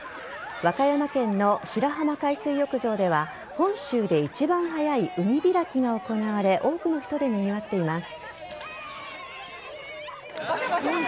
和歌山県の白浜海水浴場では本州で一番早い海開きが行われ多くの人でにぎわっています。